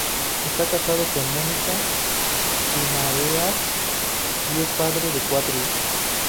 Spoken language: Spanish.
Está casado con Mônica Guimarães y es padre de cuatro hijos.